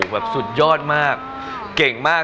แบบสุดยอดมากเก่งมาก